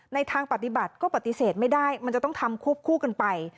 ทางปฏิบัติก็ปฏิเสธไม่ได้มันจะต้องทำควบคู่กันไป